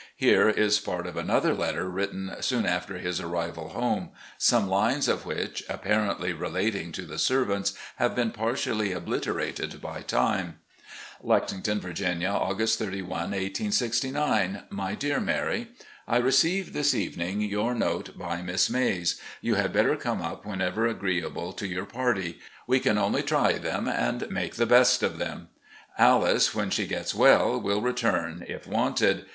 Here is part of another letter written soon after his arrival home, some lines of which (apparently relating to the servants) have been partially obliterated by time: "Lexington, Virginia, August 31, 1869. "My Dear Mary: I received this evening your note by Miss Mays. You had better come up whenever agree able to your party ... we can only try them and make the best of them. Alice, when she gets well, will return if wanted.